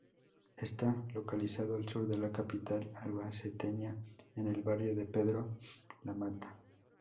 Está localizado al sur de la capital albaceteña, en el barrio de Pedro Lamata.